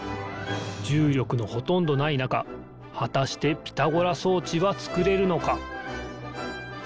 じゅうりょくのほとんどないなかはたしてピタゴラそうちはつくれるのか？